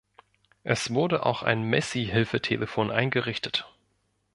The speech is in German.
Es wurde auch ein "Messie-Hilfe-Telefon" eingerichtet.